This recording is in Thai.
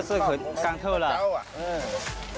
คือจีนเยอะมากค่ะ